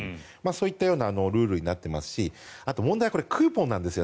そういったようなルールになっていますし問題はクーポンなんです。